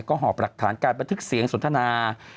ก็หอบหลักฐานการบันทึกเสียงสนทนา